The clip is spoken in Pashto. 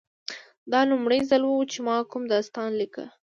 دا لومړی ځل و چې ما کوم داستان لیکه